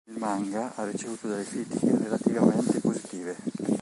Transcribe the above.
Il manga ha ricevuto delle critiche relativamente positive.